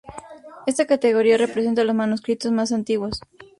Esta categoría representa los manuscritos más antiguos.